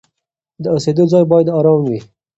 د اوسېدو ځای باید آرام وي.